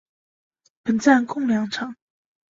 本站共两层。